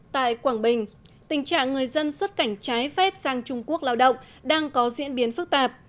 tại quảng bình tình trạng người dân xuất cảnh trái phép sang trung quốc lao động đang có diễn biến phức tạp